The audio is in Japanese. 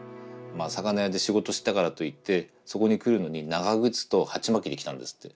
まあ魚屋で仕事してたからといってそこに来るのに長靴と鉢巻きで来たんですって。